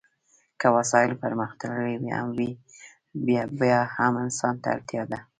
که وسایل پرمختللي هم وي بیا هم انسان ته اړتیا ده.